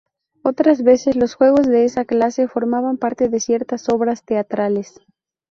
Otras veces, los juegos de esa clase formaban parte de ciertas obras teatrales.